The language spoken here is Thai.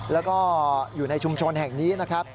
แล้วก็อยู่ในชุมชนแห่งนี้